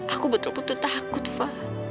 aku betul betul takut va